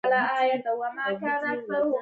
دا کار د انفلاسیون مخنیوى کوي.